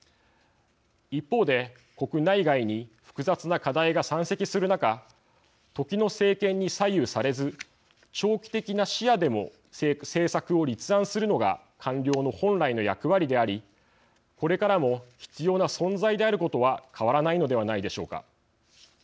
一方で国内外に複雑な課題が山積する中時の政権に左右されず長期的な視野でも政策を立案するのが官僚の本来の役割でありこれからも必要な存在であることは変わらないのではないでしょうか。